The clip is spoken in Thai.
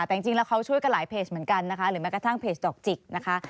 แต่จริงแล้วเขาช่วยกันหลายเพจเหมือนกันนะคะหรือแม้กระทั่งเพจดอกจิกนะคะ